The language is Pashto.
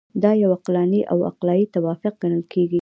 دا یو عقلاني او عقلایي توافق ګڼل کیږي.